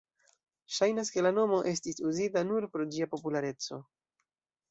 Ŝajnas, ke la nomo estis uzita nur pro ĝia populareco.